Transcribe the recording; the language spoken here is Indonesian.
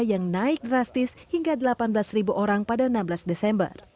yang naik drastis hingga delapan belas orang pada enam belas desember